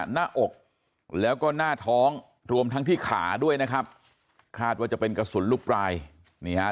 หน้าอกแล้วก็หน้าท้องรวมทั้งที่ขาด้วยนะครับคาดว่าจะเป็นกระสุนลูกปลายนี่ฮะ